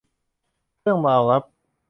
เรื่องราวลับ